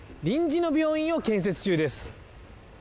臨時の病院を建設中です